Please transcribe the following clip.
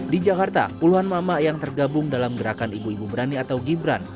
di jakarta puluhan mama yang tergabung dalam gerakan ibu ibu berani atau gibran